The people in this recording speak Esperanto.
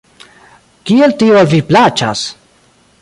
Kiel tio al vi plaĉas?